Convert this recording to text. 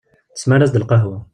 Tesmar-as-d lqahwa.